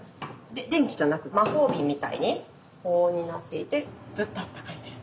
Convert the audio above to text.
電気じゃなく魔法瓶みたいに保温になっていてずっとあったかいです。